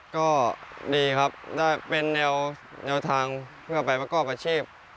ก็ดีครับได้เป็นแนวทางเพื่อไปประกอบอาชีพ